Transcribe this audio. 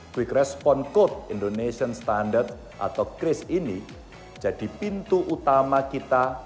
quick respon code indonesian standard atau kris ini jadi pintu utama kita